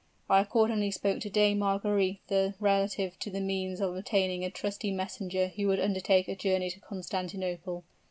I accordingly spoke to Dame Margaretha relative to the means of obtaining a trusty messenger who would undertake a journey to Constantinople.